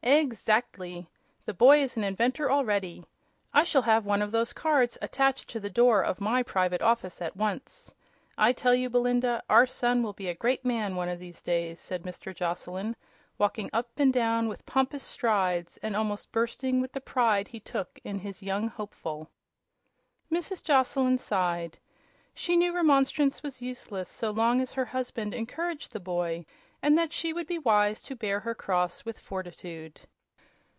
"Exactly! The boy is an inventor already. I shall have one of those cards attached to the door of my private office at once. I tell you, Belinda, our son will be a great man one of these days," said Mr. Joslyn, walking up and down with pompous strides and almost bursting with the pride he took in his young hopeful. Mrs. Joslyn sighed. She knew remonstrance was useless so long as her husband encouraged the boy, and that she would be wise to bear her cross with fortitude.